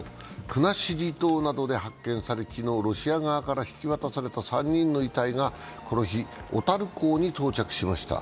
国後島などで発見され昨日ロシア側から引き渡された３人の遺体が、この日、小樽港に到着しました。